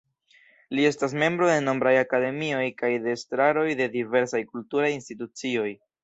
Li estis membro de nombraj akademioj kaj de estraroj de diversaj kulturaj institucioj.